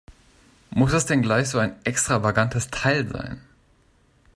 Muss es denn gleich so ein extravagantes Teil sein?